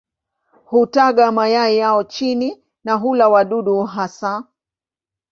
Hutaga mayai yao chini na hula wadudu hasa.